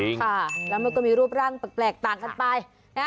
ค่ะแล้วมันก็มีรูปร่างแปลกต่างกันไปนะ